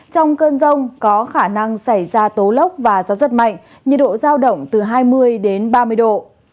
trong cơn rông có khả năng xảy ra tố lốc và gió rất mạnh nhiệt độ giao động từ hai mươi đến ba mươi độ